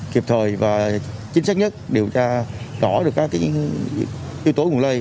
kịp thời và chính xác nhất điều tra đỏ được các cái yếu tố nguồn lây